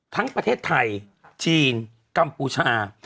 ทั้งประเทศไทยจีนกัมพูชา